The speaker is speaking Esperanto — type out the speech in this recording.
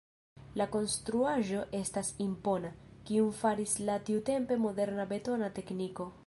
La konstruaĵo estas impona, kiun faris la tiutempe moderna betona tekniko.